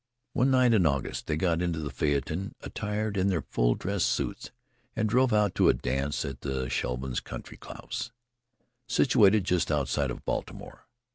One night in August they got into the phaeton attired in their full dress suits and drove out to a dance at the Shevlins' country house, situated just outside of Baltimore.